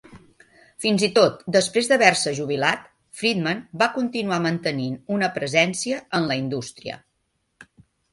Fins i tot després d'haver-se jubilat, Freedman va continuar mantenint una presència en la indústria.